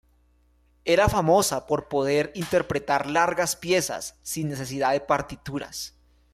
Era famosa por poder interpretar largas piezas sin necesidad de partituras.